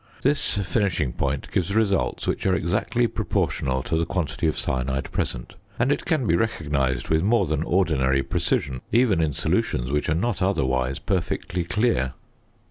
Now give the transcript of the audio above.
This finishing point gives results which are exactly proportional to the quantity of cyanide present; and it can be recognised with more than ordinary precision even in solutions which are not otherwise perfectly clear.